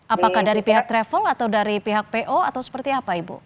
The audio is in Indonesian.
apakah dari pihak travel atau dari pihak po atau seperti apa ibu